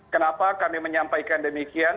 kenapa kami menyampaikan demikian